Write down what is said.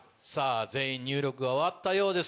全員入力が終わったようです。